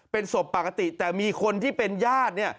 เป็นศพปกติแต่มีคนที่เป็นญาติเนี่ย